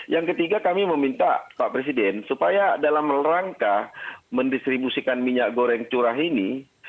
yang ketiga kami meminta pak presiden supaya dalam rangka mendistribusikan minyak goreng curah ini